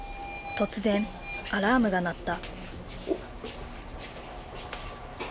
突然アラームが鳴った。